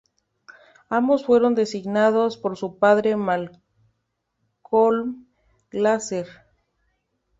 Ambos fueron designados por su padre, Malcolm Glazer.